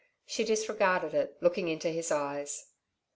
She disregarded it, looking into his eyes.